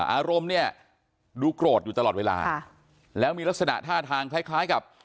อารมณ์เนี่ยดูโกรธอยู่ตลอดเวลาแล้วมีลักษณะท่าทางคล้ายคล้ายกับ